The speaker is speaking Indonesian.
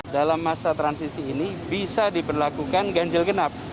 dalam masa transisi ini bisa diberlakukan ganjil genap